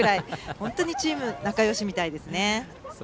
本当にチーム仲よしみたいですね。